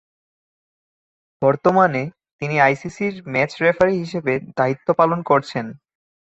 বর্তমানে তিনি আইসিসি’র match referee হিসেবে দায়িত্ব পালন করছেন।